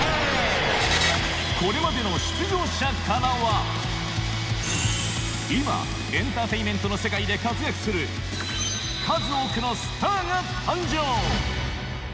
これまでの出場者からは今エンターテインメントの世界で活躍する数多くのスターが誕生！